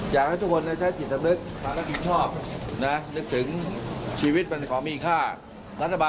หมดไหมไม่มีหมดหรอกครับ